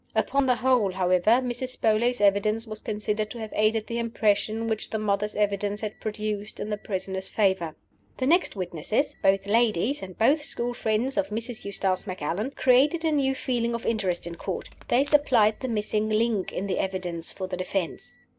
Upon the whole, however, Mrs. Beauly's evidence was considered to have aided the impression which the mother's evidence had produced in the prisoner's favor. The next witnesses both ladies, and both school friends of Mrs. Eustace Macallan created a new feeling of interest in Court. They supplied the missing link in the evidence for the defense.